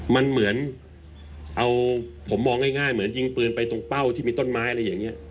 มันเหมือนเอาผมมองง่ายเหมือนยิงปืนไปตรงเป้าที่มีต้นไม้อะไรอย่างนี้